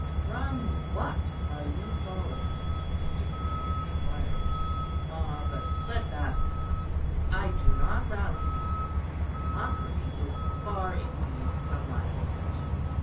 "From what are you fallen?" Mr. Caryll inquired. "Ah, but let that pass. I do not rally, madam. Mockery is far indeed from my intention."